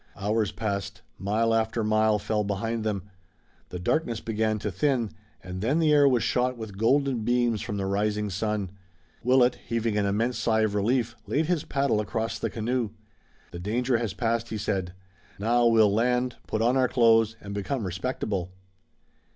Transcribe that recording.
Hours passed. Mile after mile fell behind them. The darkness began to thin, and then the air was shot with golden beams from the rising sun. Willet, heaving an immense sigh of relief, laid his paddle across the canoe. "The danger has passed," he said. "Now we'll land, put on our clothes and become respectable."